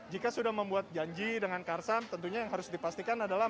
jika sudah membuat janji dengan karsam tentunya yang harus dipastikan adalah